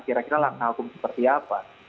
kira kira langkah hukum seperti apa